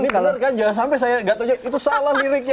ini benar kan jangan sampai saya gak taunya itu salah liriknya